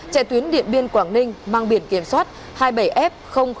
chạy tuyến điện biên quảng ninh mang biển kiểm soát hai mươi bảy f năm mươi tám